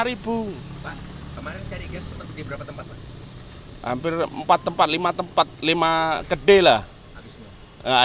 ini rp dua puluh lima dan satu tabung